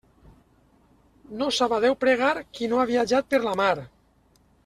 No sap a Déu pregar qui no ha viatjat per la mar.